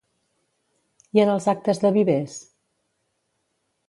I en els actes de Vivers?